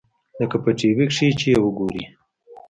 لکه په ټي وي کښې چې يې وګورې.